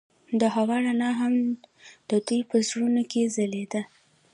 د هوا رڼا هم د دوی په زړونو کې ځلېده.